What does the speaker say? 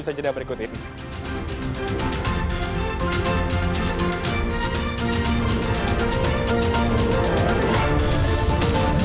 usaha jadwal berikut ini